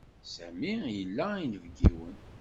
Sami ila inebgiwen.